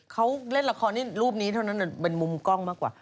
เขาเล่นละครที่รูปนี้เท่านั้นเป็นมุมกล้องมากกว่า